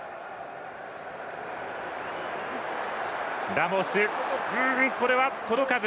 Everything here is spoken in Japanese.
ラモス、これは届かず。